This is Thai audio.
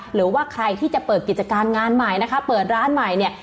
หรือว่าใครที่จะเปิดกิจการงานใหม่นะคะเปิดร้านใหม่เนี่ย